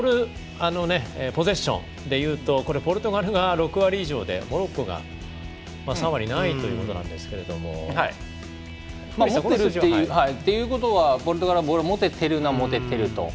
ポゼッションでいうとポルトガルが６割以上モロッコが３割ないんですが。っていうことはポルトガルはボールを持てているのは持てていると。